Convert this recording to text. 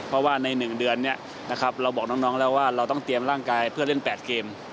เพราะว่าใน๑เดือนเราบอกน้องแล้วว่าเราต้องเตรียมร่างกายเพื่อเล่น๘เกม